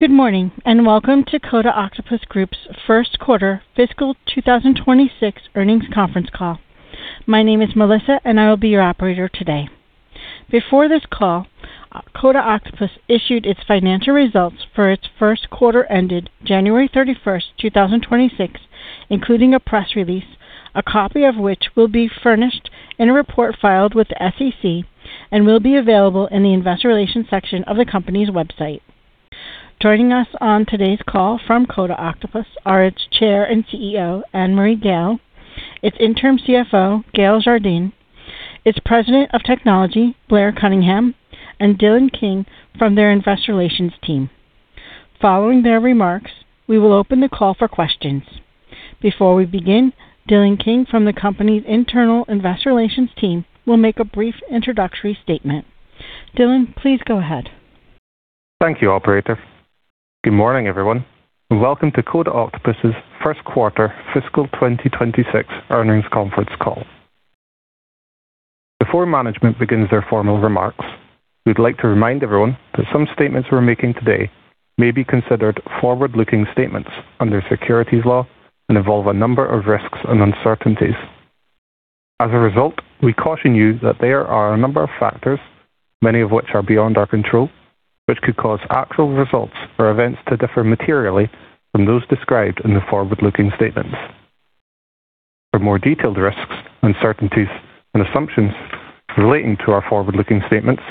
Good morning, and welcome to Coda Octopus Group's First Quarter Fiscal 2026 Earnings Conference Call. My name is Melissa, and I will be your operator today. Before this call, Coda Octopus issued its financial results for its first quarter ended January 31st, 2026, including a press release, a copy of which will be furnished in a report filed with the SEC and will be available in the investor relations section of the company's website. Joining us on today's call from Coda Octopus are its Chair and CEO, Annmarie Gayle, its interim CFO, Gayle Jardine, its President of Technology, Blair Cunningham, and Dylan King from their investor relations team. Following their remarks, we will open the call for questions. Before we begin, Dylan King from the company's internal investor relations team will make a brief introductory statement. Dylan, please go ahead. Thank you, operator. Good morning, everyone, and welcome to Coda Octopus's First Quarter Fiscal 2026 Earnings Conference Call. Before management begins their formal remarks, we'd like to remind everyone that some statements we're making today may be considered forward-looking statements under securities law and involve a number of risks and uncertainties. As a result, we caution you that there are a number of factors, many of which are beyond our control, which could cause actual results or events to differ materially from those described in the forward-looking statements. For more detailed risks, uncertainties, and assumptions relating to our forward-looking statements,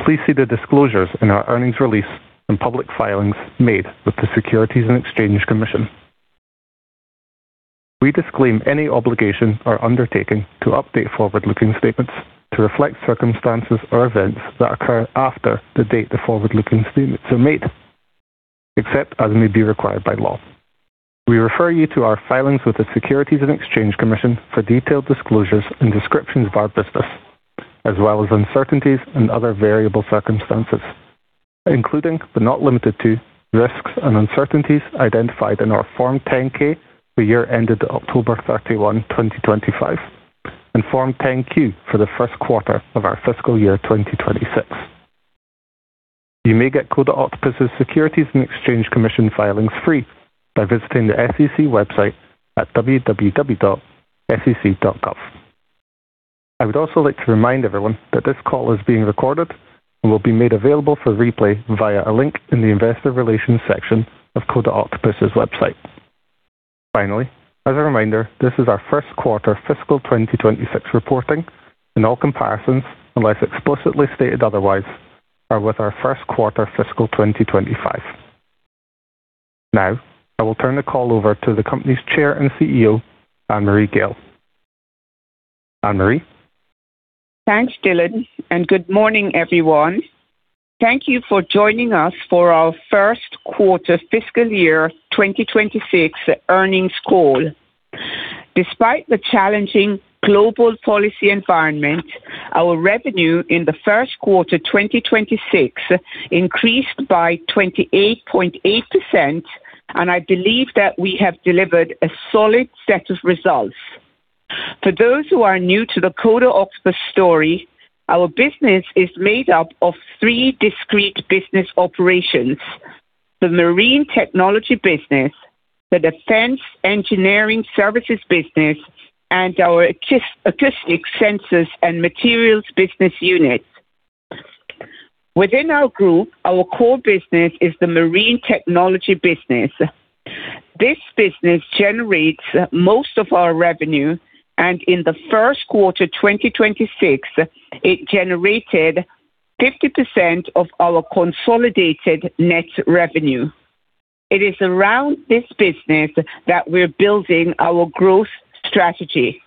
please see the disclosures in our earnings release and public filings made with the Securities and Exchange Commission. We disclaim any obligation or undertaking to update forward-looking statements to reflect circumstances or events that occur after the date the forward-looking statements are made, except as may be required by law. We refer you to our filings with the Securities and Exchange Commission for detailed disclosures and descriptions of our business, as well as uncertainties and other variable circumstances, including but not limited to risks and uncertainties identified in our Form 10-K for year ended October 31, 2025, and Form 10-Q for the first quarter of our fiscal year 2026. You may get Coda Octopus's Securities and Exchange Commission filings free by visiting the SEC website at www.sec.gov. I would also like to remind everyone that this call is being recorded and will be made available for replay via a link in the investor relations section of Coda Octopus's website. Finally, as a reminder, this is our first quarter fiscal 2026 reporting, and all comparisons, unless explicitly stated otherwise, are with our first quarter fiscal 2025. Now, I will turn the call over to the company's Chair and CEO, Annmarie Gayle. Annmarie. Thanks, Dylan, and good morning, everyone. Thank you for joining us for our first quarter fiscal year 2026 earnings call. Despite the challenging global policy environment, our revenue in the first quarter, 2026 increased by 28.8%, and I believe that we have delivered a solid set of results. For those who are new to the Coda Octopus story, our business is made up of three discrete business operations, the marine technology business, the defense engineering services business, and our acoustics sensors and materials business unit. Within our group, our core business is the marine technology business. This business generates most of our revenue, and in the first quarter, 2026, it generated 50% of our consolidated net revenue. It is around this business that we're building our growth strategy.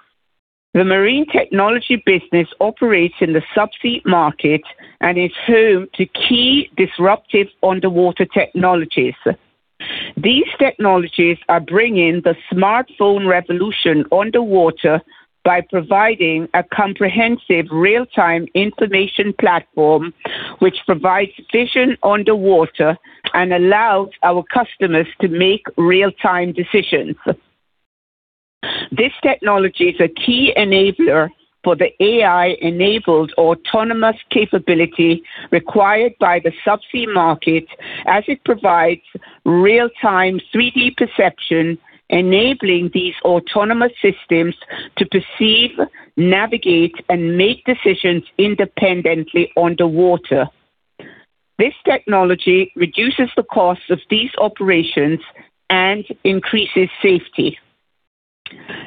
The marine technology business operates in the subsea market and is home to key disruptive underwater technologies. These technologies are bringing the smartphone revolution underwater by providing a comprehensive real-time information platform which provides vision underwater and allows our customers to make real-time decisions. This technology is a key enabler for the AI-enabled autonomous capability required by the subsea market as it provides real-time 3D perception, enabling these autonomous systems to perceive, navigate, and make decisions independently underwater. This technology reduces the costs of these operations and increases safety.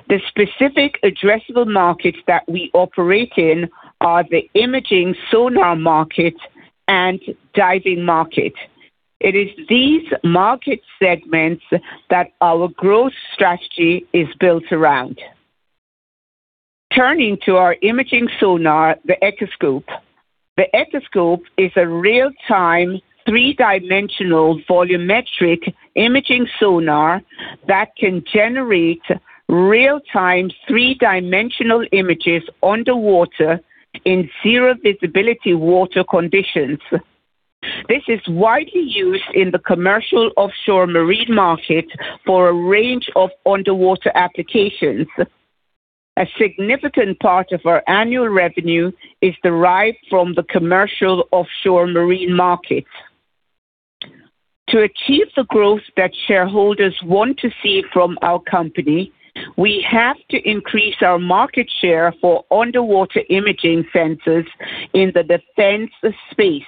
The specific addressable markets that we operate in are the imaging sonar market and diving market. It is these market segments that our growth strategy is built around. Turning to our imaging sonar, the Echoscope. The Echoscope is a real-time three-dimensional volumetric imaging sonar that can generate real-time three-dimensional images underwater in zero visibility water conditions. This is widely used in the commercial offshore marine market for a range of underwater applications. A significant part of our annual revenue is derived from the commercial offshore marine market. To achieve the growth that shareholders want to see from our company, we have to increase our market share for underwater imaging sensors in the defense space.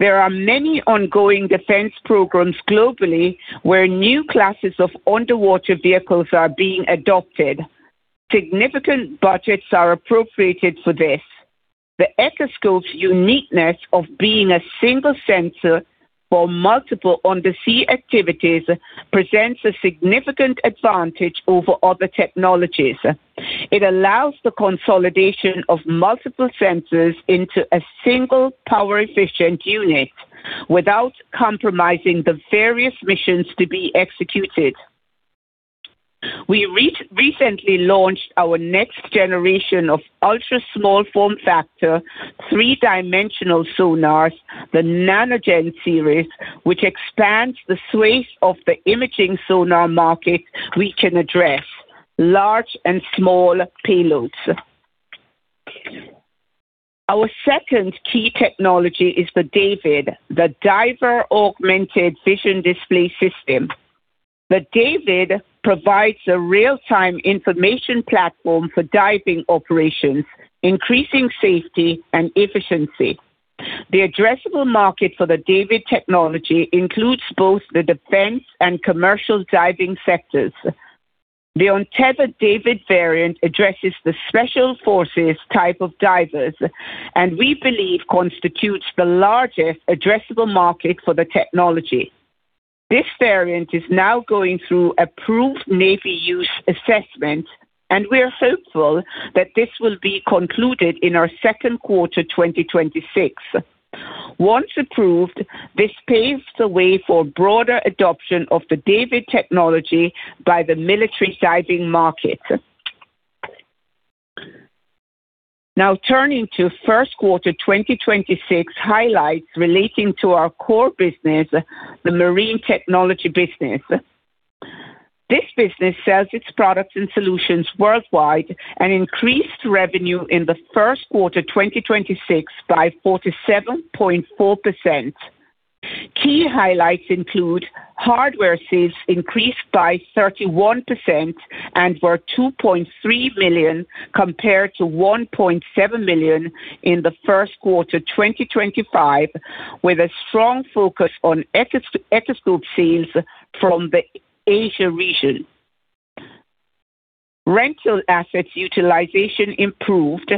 There are many ongoing defense programs globally where new classes of underwater vehicles are being adopted. Significant budgets are appropriated for this. The Echoscope's uniqueness of being a single sensor for multiple undersea activities presents a significant advantage over other technologies. It allows the consolidation of multiple sensors into a single power efficient unit without compromising the various missions to be executed. We recently launched our next generation of ultra-small form factor, three-dimensional sonars, the NANO Gen series, which expands the swath of the imaging sonar market we can address, large and small payloads. Our second key technology is the DAVD, the Diver Augmented Vision Display system. The DAVD provides a real-time information platform for diving operations, increasing safety and efficiency. The addressable market for the DAVD technology includes both the defense and commercial diving sectors. The untethered DAVD variant addresses the special forces type of divers, and we believe constitutes the largest addressable market for the technology. This variant is now going through ANU assessment, and we are hopeful that this will be concluded in our second quarter, 2026. Once approved, this paves the way for broader adoption of the DAVD technology by the military diving market. Now turning to first quarter 2026 highlights relating to our core business, the marine technology business. This business sells its products and solutions worldwide and increased revenue in the first quarter, 2026 by 47.4%. Key highlights include hardware sales increased by 31% and were $2.3 million compared to $1.7 million in the first quarter 2025, with a strong focus on Echoscope sales from the Asia region. Rental assets utilization improved,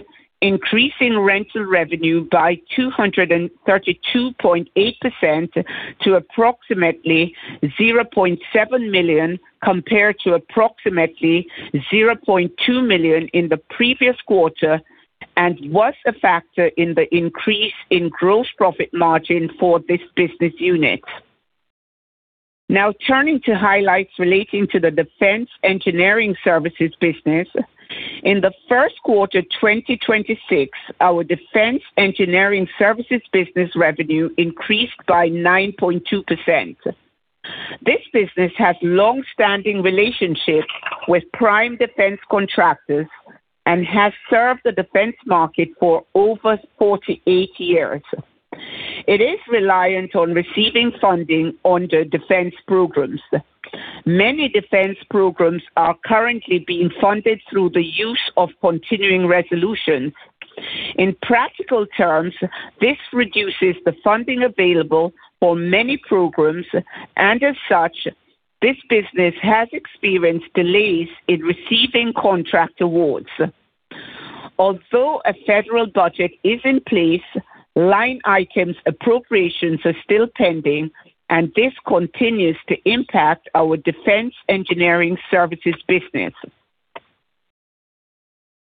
increasing rental revenue by 232.8% to approximately $0.7 million, compared to approximately $0.2 million in the previous quarter and was a factor in the increase in gross profit margin for this business unit. Now turning to highlights relating to the defense engineering services business. In the first quarter 2026, our defense engineering services business revenue increased by 9.2%. This business has long-standing relationships with prime defense contractors and has served the defense market for over 48 years. It is reliant on receiving funding under defense programs. Many defense programs are currently being funded through the use of continuing resolution. In practical terms, this reduces the funding available for many programs, and as such, this business has experienced delays in receiving contract awards. Although a federal budget is in place, line items appropriations are still pending, and this continues to impact our defense engineering services business.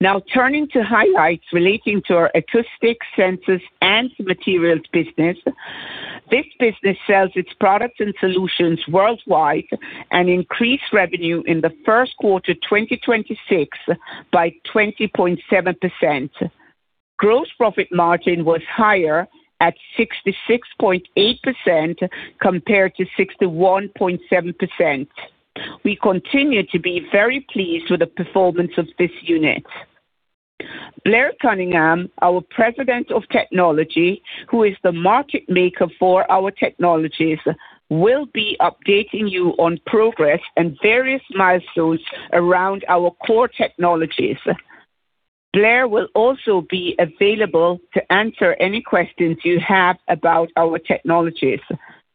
Now turning to highlights relating to our acoustic sensors and materials business. This business sells its products and solutions worldwide and increased revenue in the first quarter 2026 by 20.7%. Gross profit margin was higher at 66.8% compared to 61.7%. We continue to be very pleased with the performance of this unit. Blair Cunningham, our President of Technology, who is the market maker for our technologies, will be updating you on progress and various milestones around our core technologies. Blair will also be available to answer any questions you have about our technologies.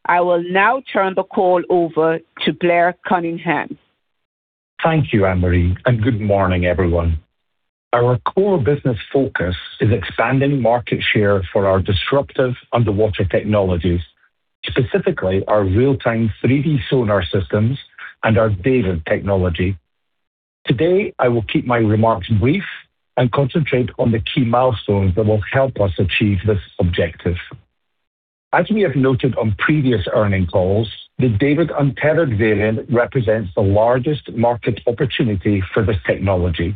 I will now turn the call over to Blair Cunningham. Thank you, Annmarie, and good morning, everyone. Our core business focus is expanding market share for our disruptive underwater technologies, specifically our real-time 3D sonar systems and our DAVD technology. Today, I will keep my remarks brief and concentrate on the key milestones that will help us achieve this objective. As we have noted on previous earnings calls, the DAVD untethered variant represents the largest market opportunity for this technology.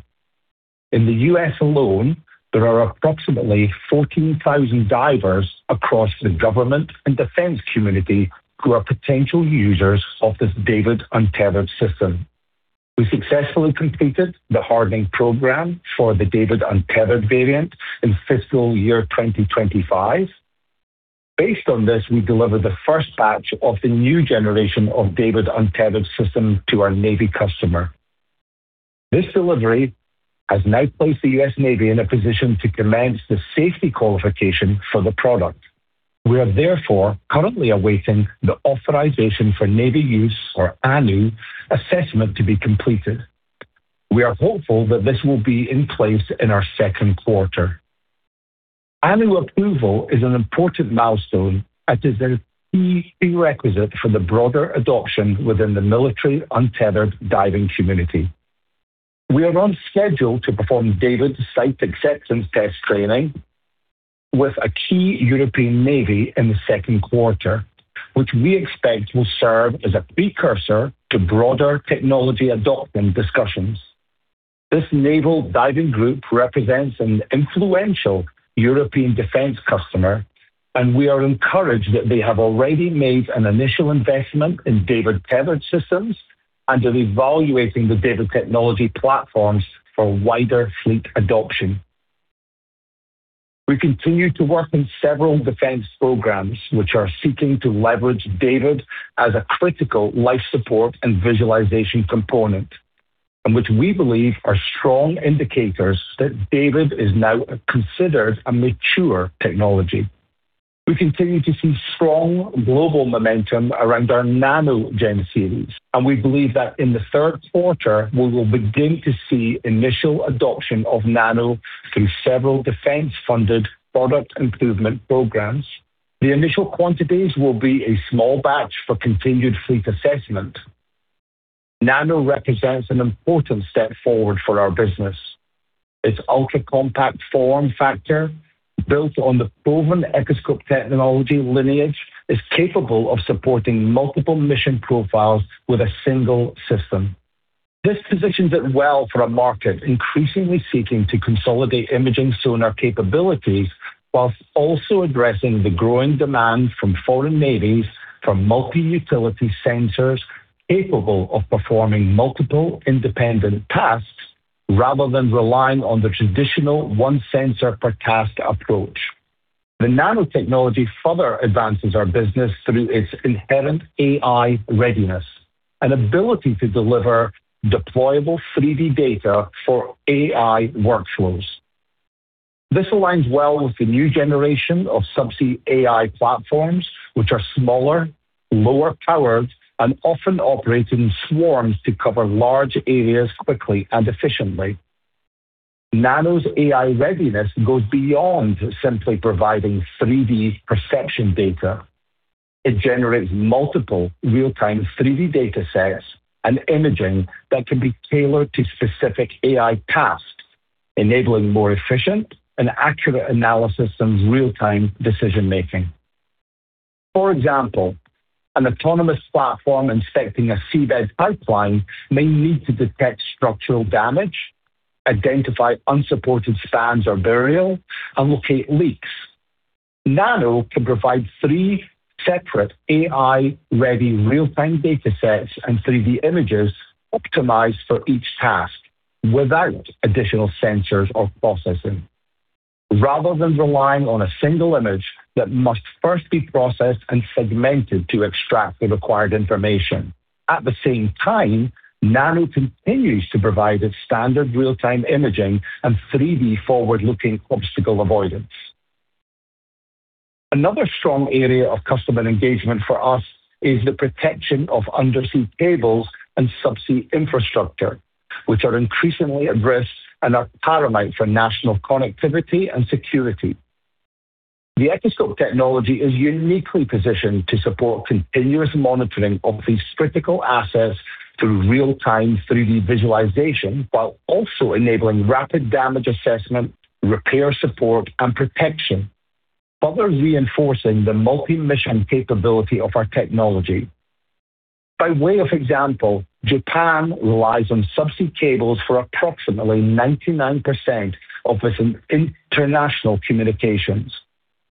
In the U.S. alone, there are approximately 14,000 divers across the government and defense community who are potential users of this DAVD untethered system. We successfully completed the hardening program for the DAVD untethered variant in fiscal year 2025. Based on this, we delivered the first batch of the new generation of DAVD untethered system to our Navy customer. This delivery has now placed the U.S. Navy in a position to commence the safety qualification for the product. We are therefore currently awaiting the authorization for Navy use or ANU assessment to be completed. We are hopeful that this will be in place in our second quarter. ANU approval is an important milestone as it's a key prerequisite for the broader adoption within the military untethered diving community. We are on schedule to perform DAVD's site acceptance test training with a key European Navy in the second quarter, which we expect will serve as a precursor to broader technology adoption discussions. This naval diving group represents an influential European defense customer, and we are encouraged that they have already made an initial investment in DAVD tethered systems and are evaluating the DAVD technology platforms for wider fleet adoption. We continue to work on several defense programs which are seeking to leverage DAVD as a critical life support and visualization component, and which we believe are strong indicators that DAVD is now considered a mature technology. We continue to see strong global momentum around our NANO Gen series, and we believe that in the third quarter, we will begin to see initial adoption of NANO through several defense-funded product improvement programs. The initial quantities will be a small batch for continued fleet assessment. Nano represents an important step forward for our business. Its ultra-compact form factor, built on the proven Echoscope technology lineage, is capable of supporting multiple mission profiles with a single system. This positions it well for a market increasingly seeking to consolidate imaging sonar capabilities while also addressing the growing demand from foreign navies for multi-utility sensors capable of performing multiple independent tasks rather than relying on the traditional one sensor per task approach. The NANO technology further advances our business through its inherent AI readiness and ability to deliver deployable 3D data for AI workflows. This aligns well with the new generation of subsea AI platforms, which are smaller, lower powered, and often operate in swarms to cover large areas quickly and efficiently. Nano's AI readiness goes beyond simply providing 3D perception data. It generates multiple real-time 3D data sets and imaging that can be tailored to specific AI tasks, enabling more efficient and accurate analysis and real-time decision-making. For example, an autonomous platform inspecting a seabed pipeline may need to detect structural damage, identify unsupported spans or burial, and locate leaks. NANO can provide three separate AI-ready real-time data sets and 3D images optimized for each task without additional sensors or processing, rather than relying on a single image that must first be processed and segmented to extract the required information. At the same time, NANO continues to provide its standard real-time imaging and 3D forward-looking obstacle avoidance. Another strong area of customer engagement for us is the protection of undersea cables and subsea infrastructure, which are increasingly at risk and are paramount for national connectivity and security. The Echoscope technology is uniquely positioned to support continuous monitoring of these critical assets through real-time 3D visualization while also enabling rapid damage assessment, repair support, and protection, further reinforcing the multi-mission capability of our technology. By way of example, Japan relies on subsea cables for approximately 99% of its international communications,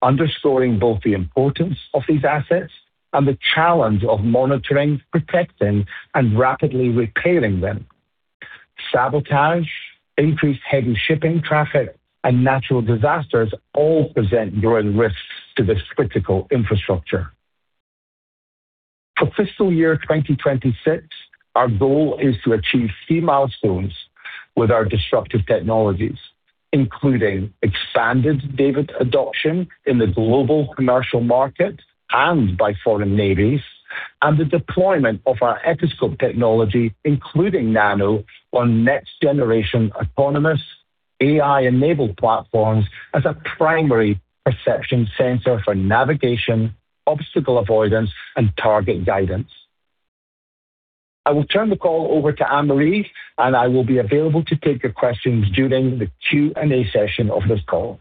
underscoring both the importance of these assets and the challenge of monitoring, protecting, and rapidly repairing them. Sabotage, increased heavy shipping traffic, and natural disasters all present growing risks to this critical infrastructure. For fiscal year 2026, our goal is to achieve key milestones with our disruptive technologies, including expanded DAVD adoption in the global commercial market and by foreign navies and the deployment of our Echoscope technology, including NANO, on next-generation autonomous AI-enabled platforms as a primary perception sensor for navigation, obstacle avoidance, and target guidance. I will turn the call over to Annmarie, and I will be available to take your questions during the Q&A session of this call.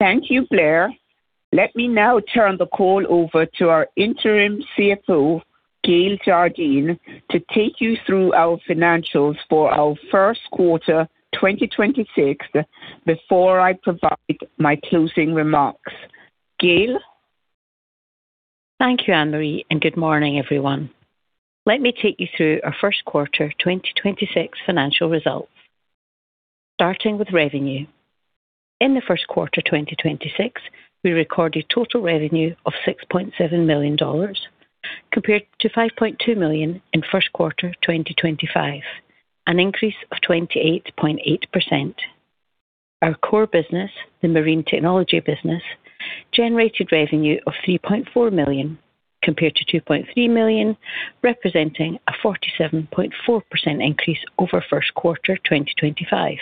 Thank you, Blair. Let me now turn the call over to our interim CFO, Gayle Jardine, to take you through our financials for our first quarter 2026 before I provide my closing remarks. Gayle? Thank you, Annmarie Gayle, and good morning, everyone. Let me take you through our first quarter 2026 financial results. Starting with revenue. In the first quarter 2026, we recorded total revenue of $6.7 million compared to $5.2 million in first quarter 2025, an increase of 28.8%. Our core business, the marine technology business, generated revenue of $3.4 million compared to $2.3 million, representing a 47.4% increase over first quarter 2025.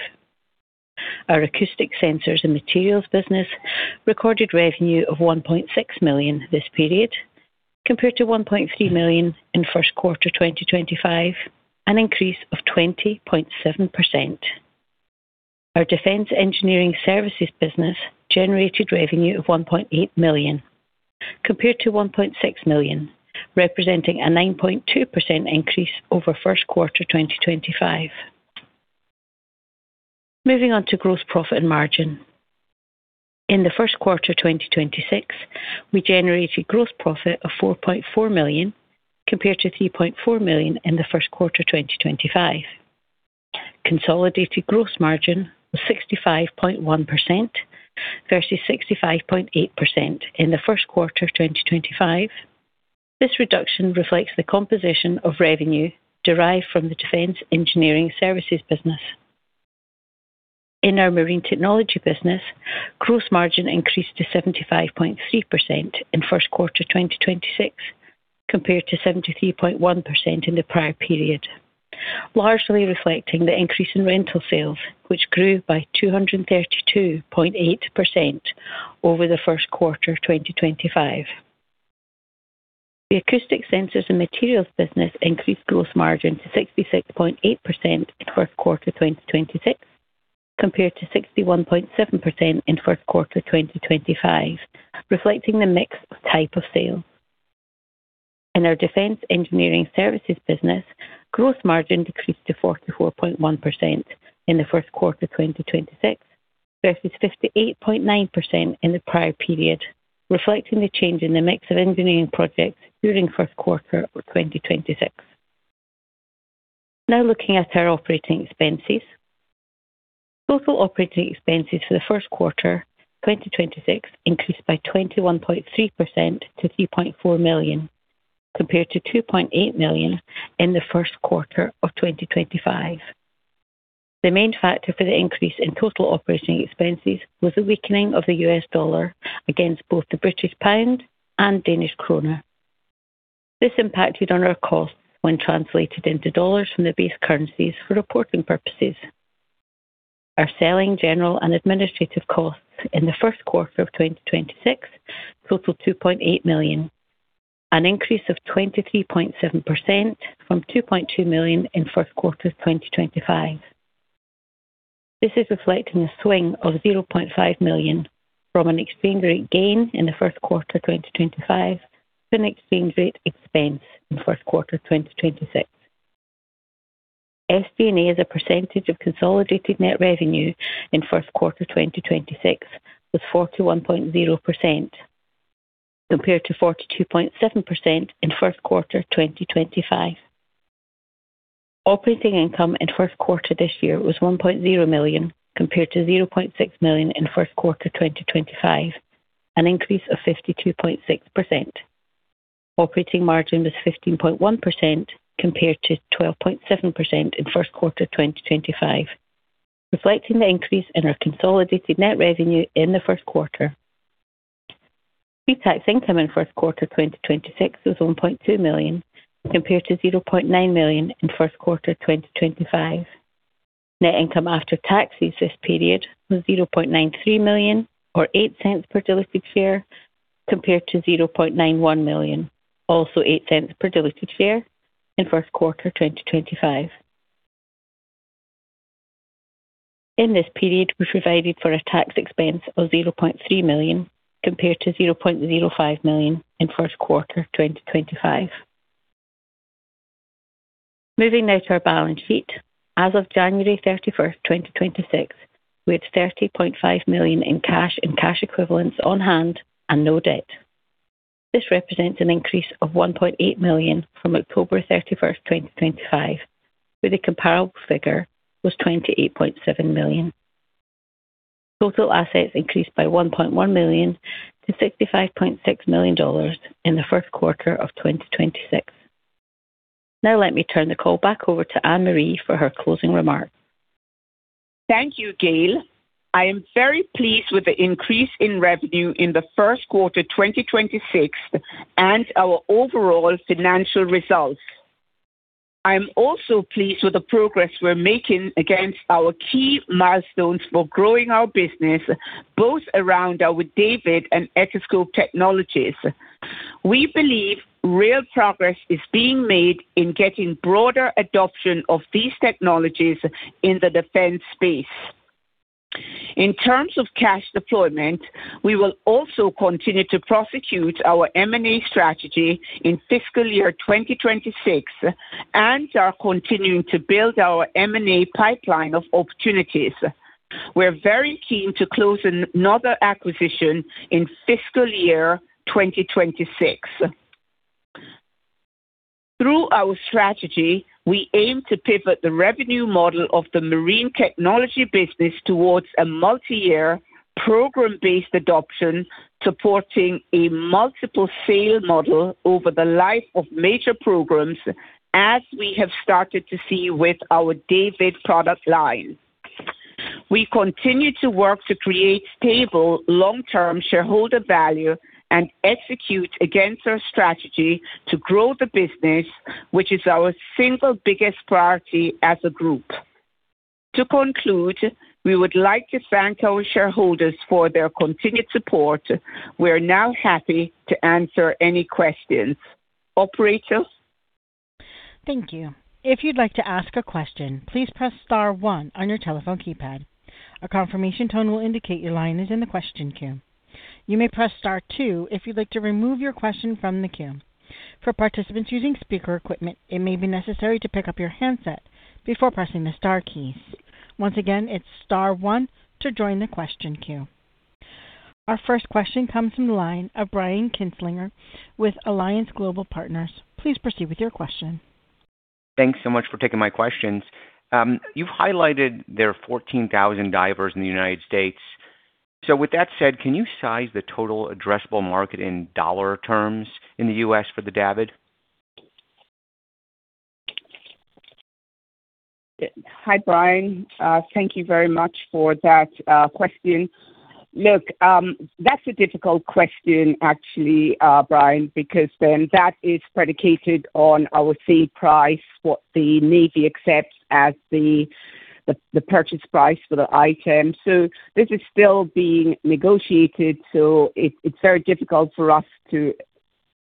Our acoustic sensors and materials business recorded revenue of $1.6 million this period, compared to $1.3 million in first quarter 2025, an increase of 20.7%. Our defense engineering services business generated revenue of $1.8 million, compared to $1.6 million, representing a 9.2% increase over first quarter 2025. Moving on to gross profit and margin. In the first quarter 2026, we generated gross profit of $4.4 million compared to $3.4 million in the first quarter 2025. Consolidated gross margin was 65.1% versus 65.8% in the first quarter of 2025. This reduction reflects the composition of revenue derived from the defense engineering services business. In our marine technology business, gross margin increased to 75.3% in first quarter 2026 compared to 73.1% in the prior period, largely reflecting the increase in rental sales, which grew by 232.8% over the first quarter 2025. The acoustic sensors and materials business increased gross margin to 66.8% in first quarter 2026 compared to 61.7% in first quarter 2025, reflecting the mix of type of sale. In our defense engineering services business, gross margin decreased to 44.1% in the first quarter 2026 versus 58.9% in the prior period, reflecting the change in the mix of engineering projects during first quarter of 2026. Now looking at our operating expenses. Total operating expenses for the first quarter 2026 increased by 21.3% to $3.4 million, compared to $2.8 million in the first quarter of 2025. The main factor for the increase in total operating expenses was the weakening of the U.S. dollar against both the British pound and Danish krone. This impacted on our costs when translated into dollars from the base currencies for reporting purposes. Our selling, general and administrative costs in the first quarter of 2026 totaled $2.8 million, an increase of 23.7% from $2.2 million in first quarter 2025. This is reflecting a swing of $0.5 million from an exchange rate gain in the first quarter 2025 to an exchange rate expense in first quarter 2026. SG&A as a percentage of consolidated net revenue in first quarter 2026 was 41.0% compared to 42.7% in first quarter 2025. Operating income in first quarter this year was $1.0 million compared to $0.6 million in first quarter 2025, an increase of 52.6%. Operating margin was 15.1% compared to 12.7% in first quarter 2025, reflecting the increase in our consolidated net revenue in the first quarter. Pre-tax income in first quarter 2026 was $1.2 million compared to $0.9 million in first quarter 2025. Net income after taxes this period was $0.93 million or $0.08 per diluted share, compared to $0.91 million, also $0.08 per diluted share in first quarter 2025. In this period, we provided for a tax expense of $0.3 million compared to $0.05 million in first quarter 2025. Moving now to our balance sheet. As of January 31, 2026, we had $30.5 million in cash and cash equivalents on hand and no debt. This represents an increase of $1.8 million from October 31st, 2025, where the comparable figure was $28.7 million. Total assets increased by $1.1 million to $65.6 million in the first quarter of 2026. Now let me turn the call back over to Annmarie for her closing remarks. Thank you, Gayle. I am very pleased with the increase in revenue in the first quarter 2026 and our overall financial results. I am also pleased with the progress we're making against our key milestones for growing our business, both around our DAVD and Echoscope technologies. We believe real progress is being made in getting broader adoption of these technologies in the defense space. In terms of cash deployment, we will also continue to prosecute our M&A strategy in fiscal year 2026 and are continuing to build our M&A pipeline of opportunities. We're very keen to close another acquisition in fiscal year 2026. Through our strategy, we aim to pivot the revenue model of the marine technology business towards a multi-year program-based adoption, supporting a multiple sale model over the life of major programs as we have started to see with our DAVD product line. We continue to work to create stable long-term shareholder value and execute against our strategy to grow the business, which is our single biggest priority as a group. To conclude, we would like to thank our shareholders for their continued support. We're now happy to answer any questions. Operator. Thank you. If you'd like to ask a question, please press star one on your telephone keypad. A confirmation tone will indicate your line is in the question queue. You may press star two if you'd like to remove your question from the queue. For participants using speaker equipment, it may be necessary to pick up your handset before pressing the star keys. Once again, it's star one to join the question queue. Our first question comes from the line of Brian Kinstlinger with Alliance Global Partners. Please proceed with your question. Thanks so much for taking my questions. You've highlighted there are 14,000 divers in the United States. With that said, can you size the total addressable market in dollar terms in the U.S. for the DAVD? Hi, Brian. Thank you very much for that question. Look, that's a difficult question actually, Brian, because that is predicated on our sale price, what the Navy accepts as the purchase price for the item. This is still being negotiated, it's very difficult for us to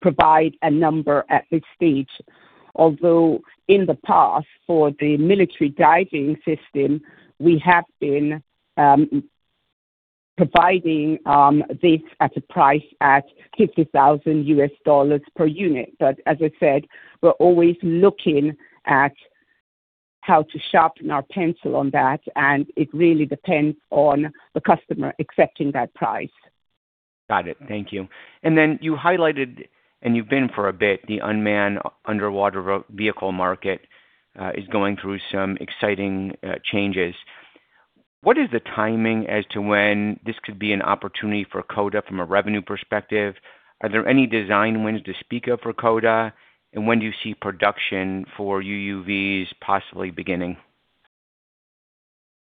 provide a number at this stage. Although in the past, for the military diving system, we have been providing this at a price at $50,000 per unit. As I said, we're always looking at how to sharpen our pencil on that, and it really depends on the customer accepting that price. Got it. Thank you. You highlighted, and you've been for a bit, the unmanned underwater vehicle market is going through some exciting changes. What is the timing as to when this could be an opportunity for Coda from a revenue perspective? Are there any design wins to speak of for Coda? When do you see production for UUVs possibly beginning?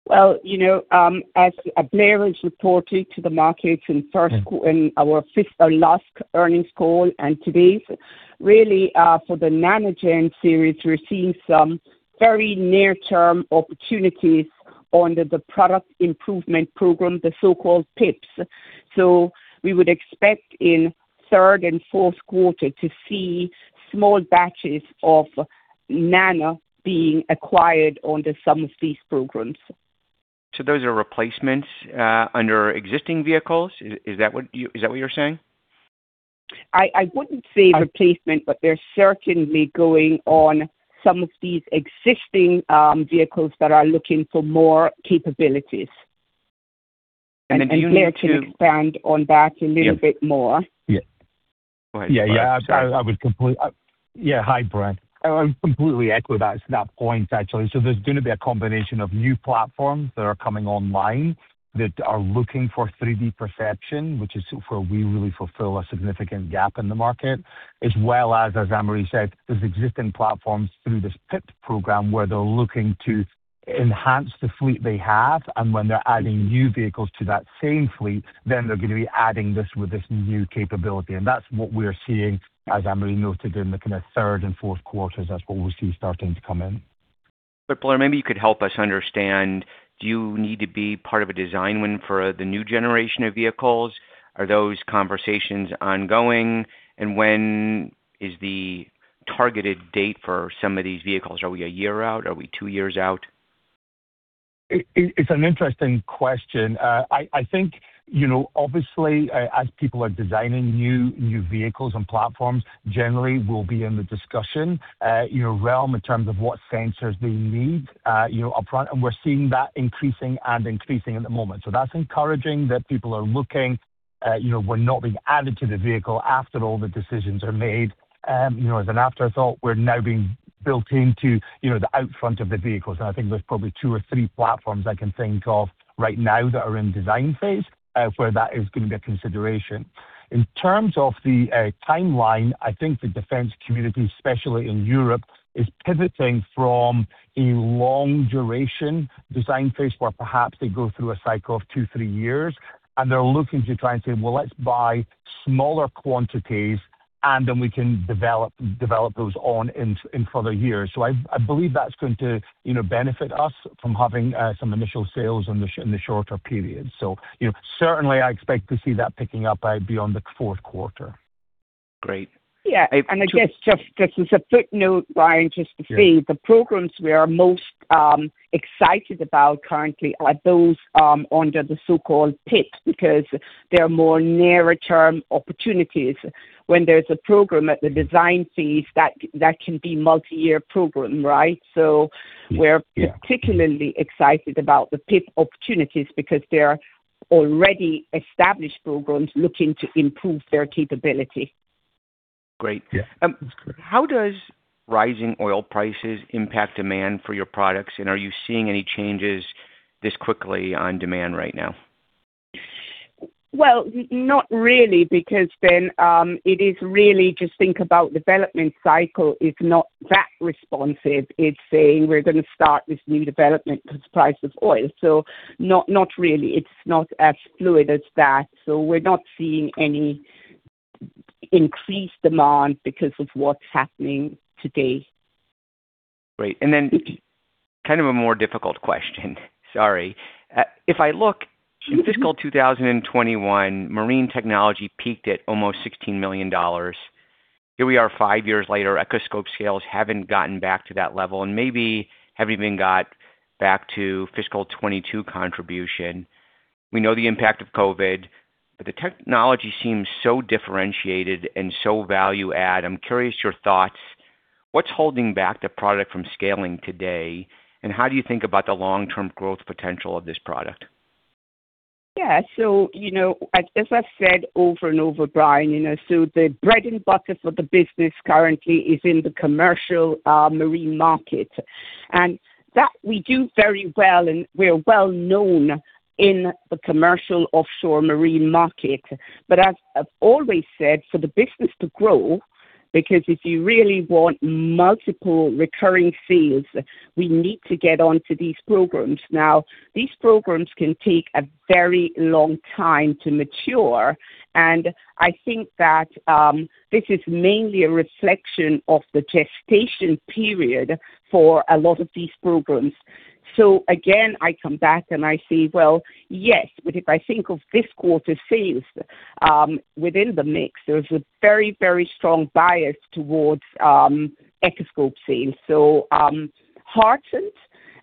Well, you know, as Blair has reported to the markets in our fifth or last earnings call and today's, really, for the NANO Gen series, we're seeing some very near-term opportunities under the product improvement program, the so-called PIPs. We would expect in third and fourth quarter to see small batches of NANO being acquired under some of these programs. Those are replacements under existing vehicles. Is that what you're saying? I wouldn't say replacement, but they're certainly going on some of these existing vehicles that are looking for more capabilities. If you need to. Blair can expand on that a little bit more. Yeah. Hi, Brian. I completely echo that point, actually. There's gonna be a combination of new platforms that are coming online that are looking for 3D perception, which is where we really fulfill a significant gap in the market. As well as Annmarie said, there's existing platforms through this PIP program where they're looking to enhance the fleet they have. When they're adding new vehicles to that same fleet, then they're gonna be adding this with this new capability. That's what we're seeing, as Annmarie noted, in the kind of third and fourth quarters. That's what we see starting to come in. Blair, maybe you could help us understand, do you need to be part of a design win for the new generation of vehicles? Are those conversations ongoing? When is the targeted date for some of these vehicles? Are we a year out? Are we two years out? It's an interesting question. I think, you know, obviously, as people are designing new vehicles and platforms, generally we'll be in the discussion, you know, realm in terms of what sensors they need, you know, upfront, and we're seeing that increasing at the moment. That's encouraging that people are looking, you know, we're not being added to the vehicle after all the decisions are made, you know, as an afterthought. We're now being built into, you know, the up front of the vehicles. I think there's probably two or three platforms I can think of right now that are in design phase, where that is gonna be a consideration. In terms of the timeline, I think the defense community, especially in Europe, is pivoting from a long duration design phase where perhaps they go through a cycle of two, three years, and they're looking to try and say, "Well, let's buy smaller quantities, and then we can develop those on in further years." I believe that's going to, you know, benefit us from having some initial sales in the shorter period. You know, certainly I expect to see that picking up out beyond the fourth quarter. Great. Yeah. I guess just this is a footnote, Brian, just to say the programs we are most excited about currently are those under the so-called PIP because they are more nearer term opportunities. When there's a program at the design phase that can be multi-year program, right? We're particularly excited about the PIP opportunities because they are already established programs looking to improve their capability. Great. Yeah. How does rising oil prices impact demand for your products? Are you seeing any changes this quickly on demand right now? Well, not really because then it is really just think about development cycle is not that responsive. It's saying we're gonna start this new development because price of oil. Not really. It's not as fluid as that. We're not seeing any increased demand because of what's happening today. Great. Then kind of a more difficult question. Sorry. If I look in fiscal 2021, marine technology peaked at almost $16 million. Here we are five years later, Echoscope sales haven't gotten back to that level and maybe haven't even got back to fiscal 2022 contribution. We know the impact of COVID, but the technology seems so differentiated and so value add. I'm curious your thoughts. What's holding back the product from scaling today, and how do you think about the long-term growth potential of this product? Yeah. You know, as I've said over and over, Brian, you know, the bread and butter for the business currently is in the commercial marine market. That we do very well, and we're well-known in the commercial offshore marine market. As I've always said, for the business to grow, because if you really want multiple recurring sales, we need to get on to these programs. Now, these programs can take a very long time to mature, and I think that this is mainly a reflection of the gestation period for a lot of these programs. Again, I come back and I say, well, yes, but if I think of this quarter's sales within the mix, there's a very, very strong bias towards Echoscope sales. I'm heartened,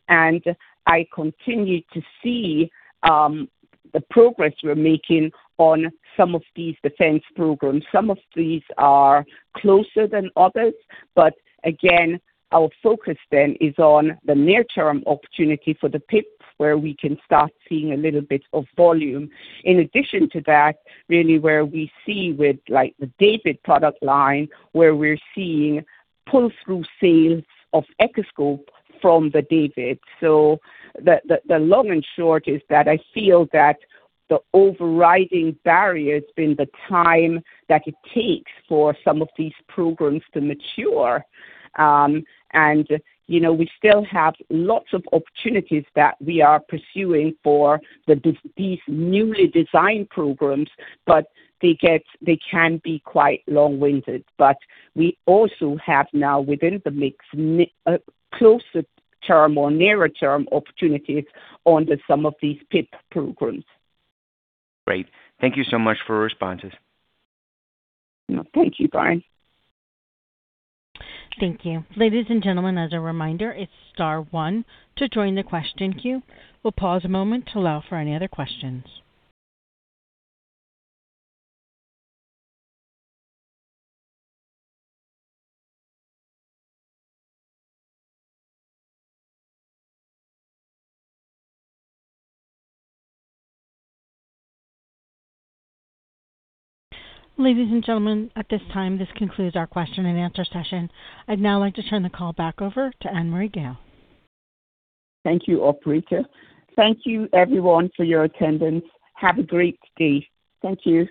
and I continue to see the progress we're making on some of these defense programs. Some of these are closer than others, but again, our focus then is on the near term opportunity for the PIP, where we can start seeing a little bit of volume. In addition to that, really where we see with like the DAVD product line, where we're seeing pull through sales of Echoscope from the DAVD. The long and short is that I feel that the overriding barrier has been the time that it takes for some of these programs to mature. You know, we still have lots of opportunities that we are pursuing for these newly designed programs, but they can be quite long-winded. We also have now within the mix, closer term or nearer term opportunities under some of these PIP programs. Great. Thank you so much for your responses. Thank you, Brian. Thank you. Ladies and gentlemen, as a reminder, it's star one to join the question queue. We'll pause a moment to allow for any other questions. Ladies and gentlemen, at this time, this concludes our question and answer session. I'd now like to turn the call back over to Annmarie Gayle. Thank you, operator. Thank you everyone for your attendance. Have a great day. Thank you.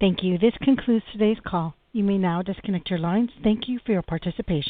Thank you. This concludes today's call. You may now disconnect your lines. Thank you for your participation.